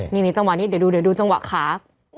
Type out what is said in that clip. ไหนนี่เดี๋ยวดูจังหวะขา